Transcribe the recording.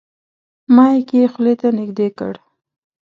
مایک یې خولې ته نږدې کړ.